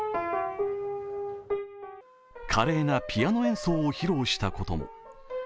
華麗なピアノ演奏を披露したことも。